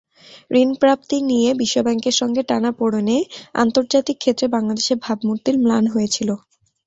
ঋণপ্রাপ্তি নিয়ে বিশ্বব্যাংকের সঙ্গে টানাপোড়েনে আন্তর্জাতিক ক্ষেত্রে বাংলাদেশের ভাবমূর্তি ম্লান হয়েছিল।